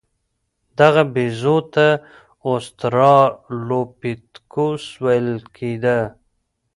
دغه بیزو ته اوسترالوپیتکوس ویل کېده.